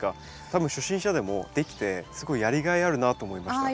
多分初心者でもできてすごいやりがいあるなと思いました。